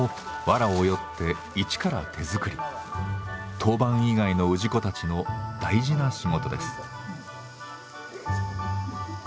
当番以外の氏子たちの大事な仕事です。